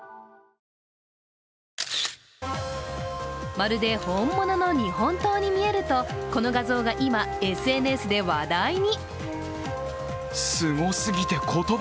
まるで本物の日本刀に見えると、この画像が今、ＳＮＳで話題に。